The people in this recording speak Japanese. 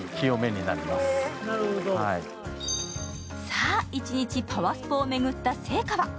さあ、一日パワスポを巡った成果は？